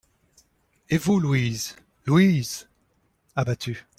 Et vous, Louise ? LOUISE, abattue.